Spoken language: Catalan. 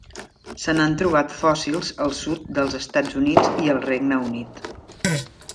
Se n'han trobat fòssils al sud dels Estats Units i al Regne Unit.